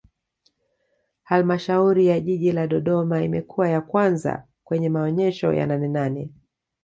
halmashauri ya jiji la dodoma imekuwa ya kwanza kwenye maonesho ya nanenane